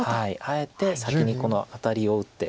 あえて先にこのアタリを打って。